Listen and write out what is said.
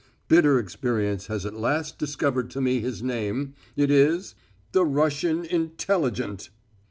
Bitter experience has at last discovered to me his name. It is the Russian _intelligent.